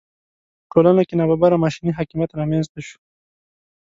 په ټولنه کې ناببره ماشیني حاکمیت رامېنځته شو.